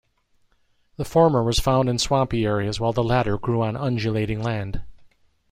The former was found in swampy areas, while the latter grew on undulating land.